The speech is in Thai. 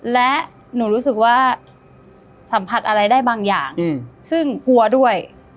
และหนูรู้สึกว่าสัมผัสอะไรได้บางอย่างซึ่งกลัวด้วย